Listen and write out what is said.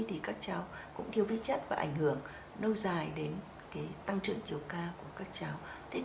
thì các cháu cũng thiếu viết chất và ảnh hưởng lâu dài đến tăng trưởng chiều ca của các cháu